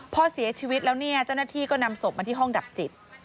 พอเสียชีวิตแล้วเนี่ยเจ้าหน้าที่ก็นำศพมาที่ห้องดับจิต